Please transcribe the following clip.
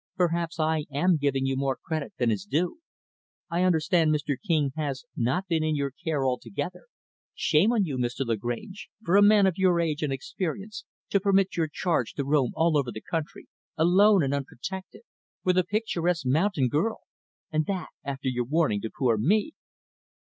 "Perhaps I am giving you more credit than is due. I understand Mr. King has not been in your care altogether. Shame on you, Mr. Lagrange! for a man of your age and experience to permit your charge to roam all over the country, alone and unprotected, with a picturesque mountain girl! and that, after your warning to poor me!"